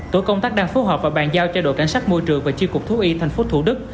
tổ công tác đang phối hợp và bàn giao cho đội cảnh sát môi trường và chiêu cục thú y tp tủ đức